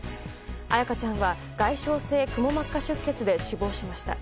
彩花ちゃんは外傷性くも膜下出血で死亡しました。